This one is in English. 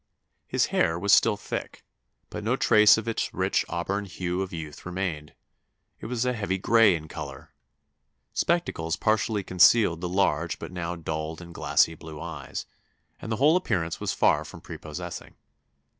His hair was still thick, but no trace of its rich auburn hue of youth remained; it was a heavy gray in colour. Spectacles partially concealed the large but now dulled and glassy blue eyes; and the whole appearance was far from prepossessing.